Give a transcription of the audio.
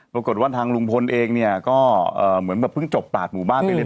ปรากฏว่าทางลุงพลเองก็เหมือนแบบเพิ่งจบตัดหมู่บ้านไปเลย